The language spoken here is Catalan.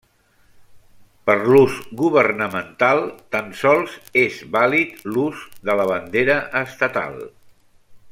Per l'ús governamental tan sols és vàlid l'ús de la bandera estatal.